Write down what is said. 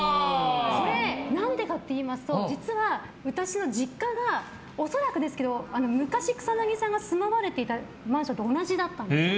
これ、何でかって言いますと実は、私の実家が恐らくですけど昔、草なぎさんが住まわれていたマンションと同じだったんです。